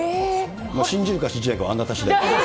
信じるか、信じないかはあなたしだい。